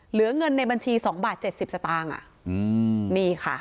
เหลือเงินในบัญชี๒บาท๗๐สตางค์อ่ะอืมนี่ค่ะ